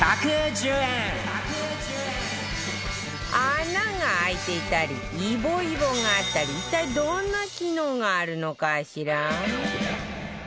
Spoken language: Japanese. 穴が開いていたりイボイボがあったり一体どんな機能があるのかしら？